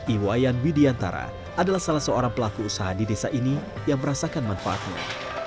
iwayan widiantara adalah salah seorang pelaku usaha di desa ini yang merasakan manfaatnya